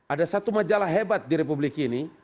ada satu majalah hebat di republik ini